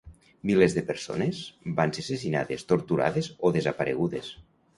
Milers de persones van ser assassinades, torturades o desaparegudes.